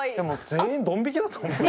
全員ドン引きだと思うよ。